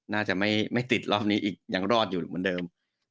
น่าจะไม่ติดรอบนี้อีกยังรอดอยู่เหมือนเดิม